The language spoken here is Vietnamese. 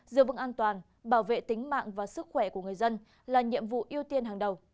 giữ vững an toàn bảo vệ tính mạng và sức khỏe của người dân là nhiệm vụ ưu tiên hàng đầu